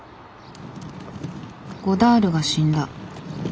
ゴダールが死んだ。